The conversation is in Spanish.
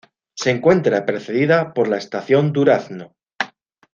Se encuentra precedida por la Estación Durazno.